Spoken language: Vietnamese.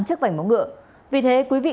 trước vành móng ngựa vì thế quý vị